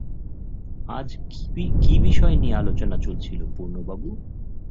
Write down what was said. আজ কী বিষয় নিয়ে আলোচনা চলছিল পূর্ণবাবু?